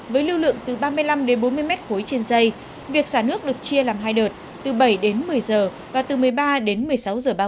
với lưu lượng từ ba mươi năm bốn mươi m ba trên dây việc xả nước được chia làm hai đợt từ bảy một mươi giờ và từ một mươi ba một mươi sáu giờ